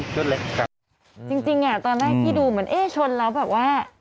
จริงจริงอ่ะตอนแรกที่ดูเหมือนเอ๊ะชนแล้วแบบว่า